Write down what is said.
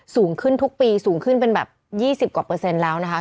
สูงขึ้นทุกปีสูงขึ้นเป็นแบบ๒๐กว่าเปอร์เซ็นต์แล้วนะคะ